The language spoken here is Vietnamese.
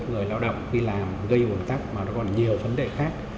người lao động đi làm gây ủng tắc mà nó còn nhiều vấn đề khác